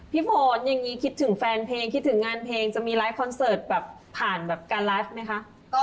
พี่ฝนอย่างนี้คิดถึงแฟนเพลงคิดถึงงานเพลงจะมีไลฟ์คอนเสิร์ตแบบผ่านแบบการไลฟ์ไหมคะ